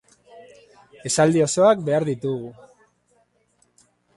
Esaldi osoak behar ditugu.